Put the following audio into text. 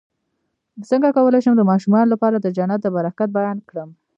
څنګه کولی شم د ماشومانو لپاره د جنت د برکت بیان کړم